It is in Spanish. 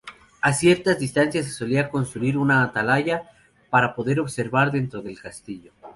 A ciertas distancias se solía construir una atalaya para poder observar dentro del castillo.